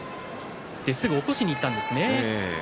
すぐに起こしにいったんですね。